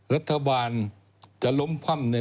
รัฐบาลจะล้มพร่ำ